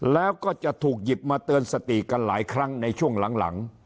แล้วก็จะถูกหยิบมาเตือนสติกันหลายครั้งในช่วงหลัง